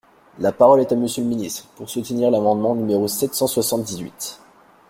La parole est à Monsieur le ministre, pour soutenir l’amendement numéro sept cent soixante-dix-huit.